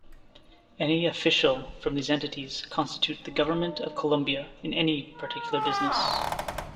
Any official from these entities constitute the Government of Colombia in any particular business.